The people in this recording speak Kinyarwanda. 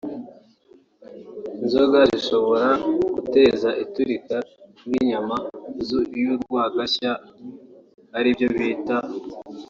inzoga zishobora guteza iturika ry’inyama y’urwagashya aribyo bita